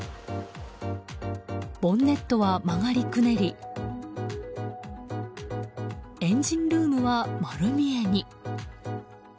ボンネットは曲がりくねりエンジンルームは丸見えに。